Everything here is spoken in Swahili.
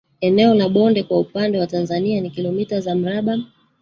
Eneo la bonde kwa upande wa Tanzania ni kilometa za mraba